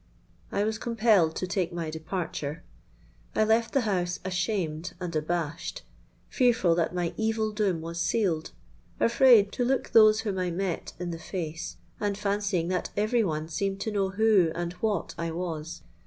"I was compelled to take my departure. I left the house, ashamed and abashed—fearful that my evil doom was sealed—afraid to look those whom I met in the face—and fancying that every one seemed to know who and what I was.